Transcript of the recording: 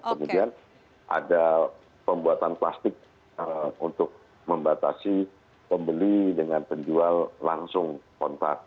kemudian ada pembuatan plastik untuk membatasi pembeli dengan penjual langsung kontak